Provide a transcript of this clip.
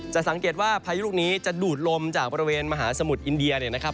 สังเกตว่าพายุลูกนี้จะดูดลมจากบริเวณมหาสมุทรอินเดียเนี่ยนะครับ